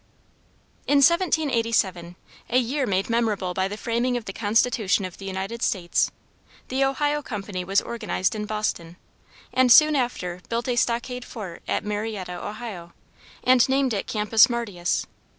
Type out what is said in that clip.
In 1787, a year made memorable by the framing of the Constitution of the United States, the Ohio Company was organized in Boston, and soon after built a stockade fort at Marietta, Ohio, and named it Campus Martius.